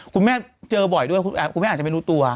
คุณแม่เจอบ่อยด้วยคุณแม่อาจจะไม่รู้ตัว